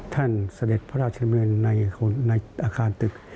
เสด็จพระราชดำเนินในอาคารตึก